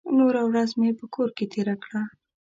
نوره ورځ مې په کور کې تېره کړه.